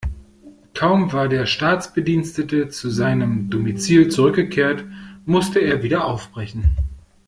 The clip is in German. Kaum war der Staatsbedienstete zu seinem Domizil zurückgekehrt, musste er wieder aufbrechen.